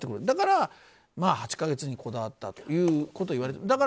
だから、８か月にこだわったということがいわれている。